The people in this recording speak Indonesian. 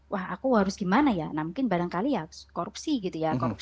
wah aku harus gimana ya nah mungkin barangkali ya korupsi gitu ya